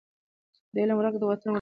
د علم ورکه د وطن ورکه ده.